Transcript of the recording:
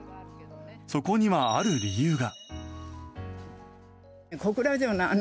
そこには、ある理由が。